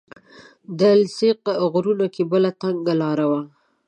د السیق غرونو کې بله تنګه لاره وه.